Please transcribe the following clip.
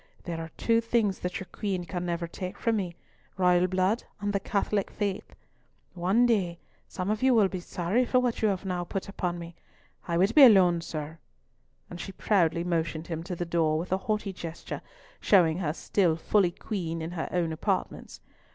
There are two things that your Queen can never take from me—royal blood and the Catholic faith. One day some of you will be sorry for what you have now put upon me! I would be alone, sir," and she proudly motioned him to the door, with a haughty gesture, showing her still fully Queen in her own apartments.